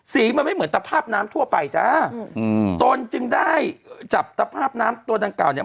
สีมันไม่เหมือนตภาพน้ำทั่วไปจ้าอืมตนจึงได้จับตภาพน้ำตัวดังเก่าเนี่ย